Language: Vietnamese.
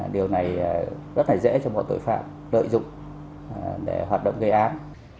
điều này rất là dễ cho bọn tội phạm lợi dụng để hoạt động gây án